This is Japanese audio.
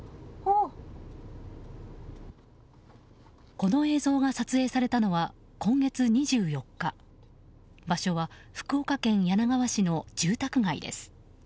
この映像が撮影されたのは今月２４日場所は福岡県柳川市の住宅街です。